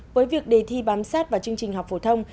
với việc đề thi bám sát vào chương trình học phổ thông